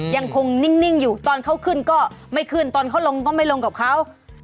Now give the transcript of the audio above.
ยังคงนิ่งอยู่ตอนเขาขึ้นก็ไม่ขึ้นตอนเขาลงก็ไม่ลงกับเขา